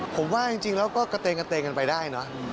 ผมว่าจริงแล้วก็กระเตงกันไปได้